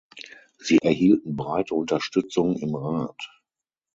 Sie erhielten breite Unterstützung im Rat.